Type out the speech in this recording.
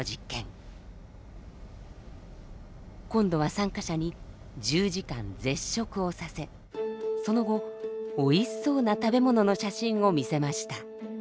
今度は参加者に１０時間絶食をさせその後おいしそうな食べ物の写真を見せました。